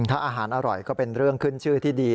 ถ้าอาหารอร่อยก็เป็นเรื่องขึ้นชื่อที่ดี